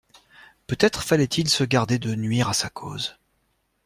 Peut-être fallait-il se garder de nuire à sa cause.